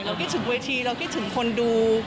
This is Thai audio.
คิดถึงเวทีเราคิดถึงคนดู